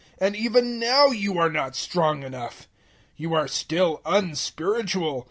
And even now you are not strong enough: 003:003 you are still unspiritual.